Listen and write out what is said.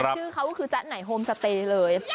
ชื่อเขาก็คือจ๊ะไหนโฮมสเตย์เลย